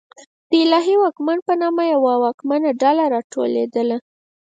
د الهي واکمن په نامه یوه واکمنه ډله راوټوکېده.